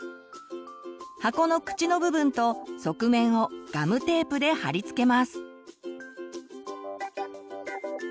箱の口の部分と側面をガムテープで貼り付けます。